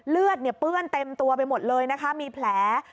เลือดเปื้อนเต็มตัวไปหมดเลยนะคะมีแผล